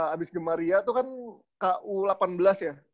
abis gemaria tuh kan ku delapan belas ya